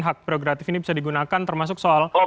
hak prerogatif ini bisa digunakan termasuk soal